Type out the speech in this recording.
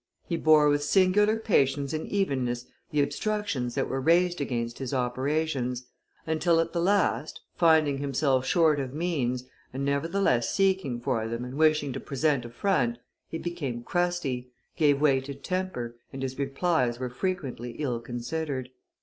He bore with singular patience and evenness the obstructions that were raised against his operations, until at the last, finding himself short of means, and nevertheless seeking for them and wishing to present a front, he became crusty, gave way to temper, and his replies were frequently ill considered.